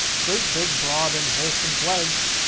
Great big, broad and wholesome pledge!